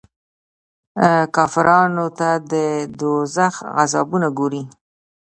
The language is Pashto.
کافرانو ته د دوږخ عذابونه ګوري.